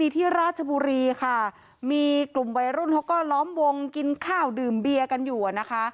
ที่ราชบุรีค่ะมีกลุ่มวัยรุ่นเขาก็ล้อมวงกินข้าวดื่มเบียร์กันอยู่นะคะ